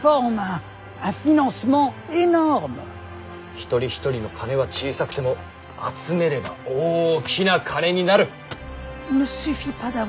一人一人の金は小さくても集めれば大きな金になる。